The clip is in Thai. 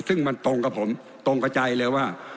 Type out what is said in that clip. ซึ่งมันตรงกับผมตรงกับใจเลยว่า